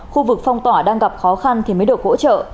khu vực phong tỏa đang gặp khó khăn thì mới được hỗ trợ